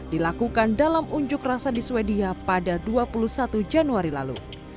dilakukan dalam unjuk rasa di swedia pada dua puluh satu januari lalu